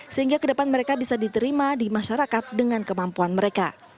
sehingga ke depan mereka bisa diterima di masyarakat dengan kemampuan mereka